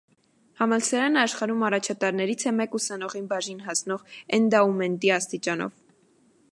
Համալսարանը աշխարհում առաջատարներից է մեկ ուսանողին բաժին հասնող էնդաումենտի աստիճանով։